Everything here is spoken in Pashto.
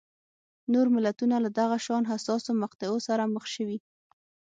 نور ملتونه له دغه شان حساسو مقطعو سره مخ شوي.